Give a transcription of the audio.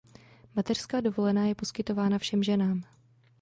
Mateřská dovolená je poskytována všem ženám.